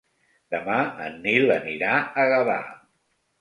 Demà en Nil anirà a Gavà.